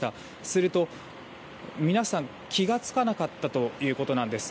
すると、皆さん気が付かなかったということなんです。